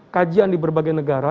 kajian di berbagai negara